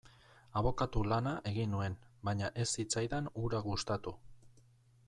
Abokatu lana egin nuen, baina ez zitzaidan hura gustatu.